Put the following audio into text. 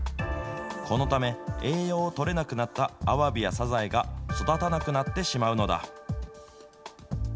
このため、栄養をとれなくなったアワビやサザエが育たなくなってしまうのだ。